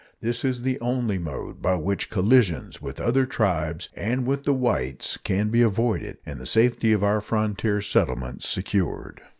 This is the only mode by which collisions with other tribes and with the whites can be avoided and the safety of our frontier settlements secured.